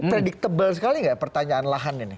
predictable sekali nggak pertanyaan lahan ini